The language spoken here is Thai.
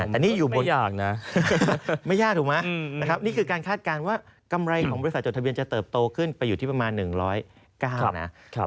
อ๋อไม่ยากนะไม่ยากถูกมั้ยนี่คือการคาดการณ์ว่ากำไรของบริษัทจดทะเบียนจะเติบโตขึ้นไปอยู่ที่ประมาณ๑๐๙๕๕นะครับ